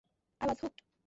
I was hooked.